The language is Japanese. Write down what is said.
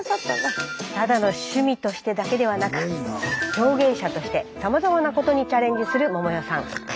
ただの趣味としてだけではなく表現者としてさまざまなことにチャレンジする百代さん。